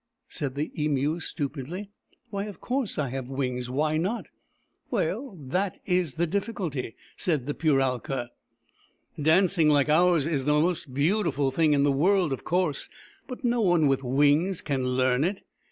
said the Emu stupidly. " Why, of course, I have wings. Why not ?"" Well, that is the difficulty," said the Puralka. " Dancing like ours is the most beautiful thing in the world, of course. But no one with wings can learn it.